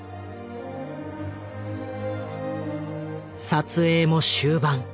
撮影も終盤。